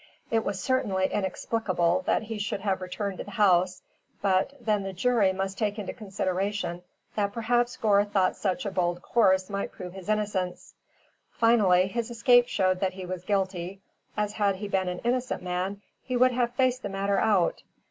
It was certainly inexplicable that he should have returned to the house, but then the jury must take into consideration that perhaps Gore thought such a bold course might prove his innocence. Finally, his escape showed that he was guilty, as had he been an innocent man, he would have faced the matter out.